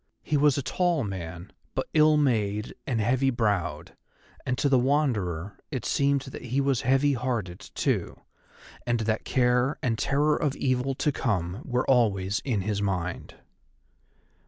He was a tall man, but ill made and heavy browed, and to the Wanderer it seemed that he was heavy hearted too, and that care and terror of evil to come were always in his mind.